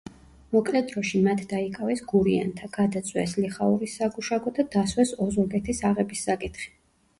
მოკლე დროში მათ დაიკავეს გურიანთა, გადაწვეს ლიხაურის საგუშაგო და დასვეს ოზურგეთის აღების საკითხი.